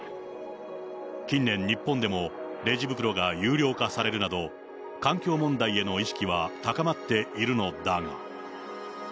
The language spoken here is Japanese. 近年、日本でもレジ袋が有料化されるなど、環境問題への意識は高まっているのだが。